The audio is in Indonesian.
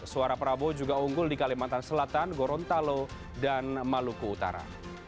suara prabowo juga unggul di kalimantan selatan gorontalo dan maluku utara